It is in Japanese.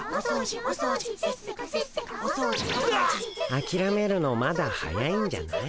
あきらめるのまだ早いんじゃない？